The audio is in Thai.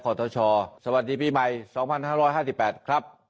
ขอตัวชอสวัสดีปีใหม่สองพันห้าร้อยห้าสิบแปดครับ